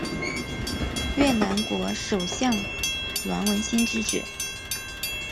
越南国首相阮文心之子。